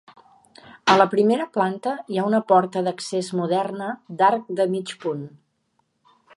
A la primera planta hi ha una porta d’accés moderna d’arc de mig punt.